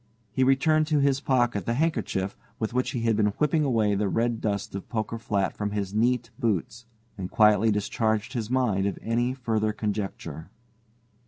He returned to his pocket the handkerchief with which he had been whipping away the red dust of Poker Flat from his neat boots, and quietly discharged his mind of any further conjecture.